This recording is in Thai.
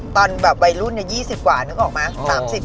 ตอนวัยรุ่นที่๒๐กว่านึกออกไหม